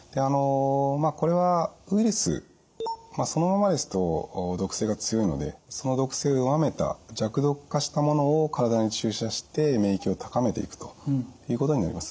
これはウイルスそのままですと毒性が強いのでその毒性を弱めた弱毒化したものを体に注射して免疫を高めていくということになります。